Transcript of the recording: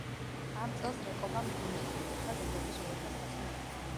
ამ წელს რეკობამ გუნდთან ერთად ევროპის უეფა-ს თასი მოიგო.